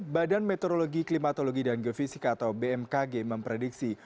badan meteorologi klimatologi dan geofisika atau bmkg memprediksi